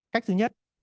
cách thứ nhất